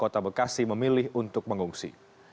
kota bekasi memilih untuk mengungsi